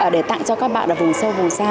để tặng cho các bạn ở vùng sâu vùng xa